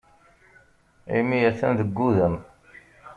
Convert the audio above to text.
Imi atan deg wudem.